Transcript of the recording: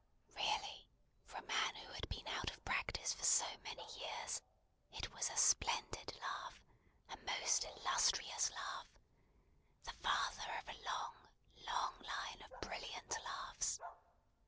Really, for a man who had been out of practice for so many years, it was a splendid laugh, a most illustrious laugh. The father of a long, long line of brilliant laughs!